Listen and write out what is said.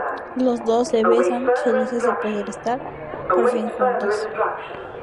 Los dos se besan, felices de poder estar por fin juntos.